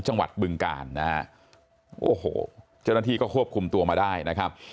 บึงกาลนะฮะโอ้โหเจ้าหน้าที่ก็ควบคุมตัวมาได้นะครับ